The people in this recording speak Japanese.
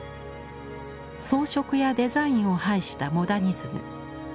装飾やデザインを廃したモダニズム。